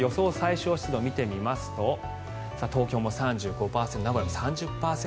最小湿度を見てみますと東京は３５％名古屋も３０％